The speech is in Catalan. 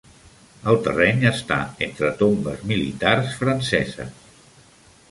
El terreny està entre tombes militars franceses.